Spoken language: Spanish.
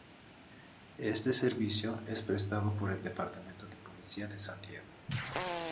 Este servicio es prestado por el Departamento de Policía de San Diego.